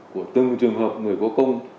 của từng trường hợp người hữu công